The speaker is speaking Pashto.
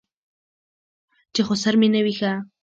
چې خسر مې نه وي ښه.